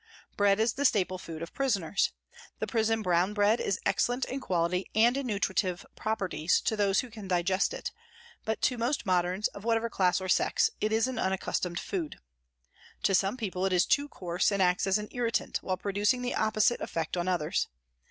Bread is the staple food of prisoners. The prison brown bread is excellent in quality and in nutritive properties to those who can digest it, but to most moderns, of whatever class or sex, it is an unaccustomed food. To some people it is too coarse and acts as an irritant, while producing the opposite effect on others.